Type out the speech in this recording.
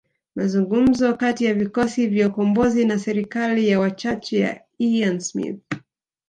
Mazungumzo kati ya vikosi vya ukombozi na serikali ya wachache ya Ian Smith